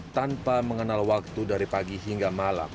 tanpa mengenal waktu dari pagi hingga malam